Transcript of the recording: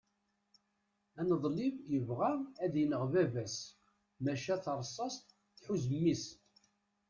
aneḍlib yebɣa ad ineɣ baba-s maca tarsast tḥuz mmi-s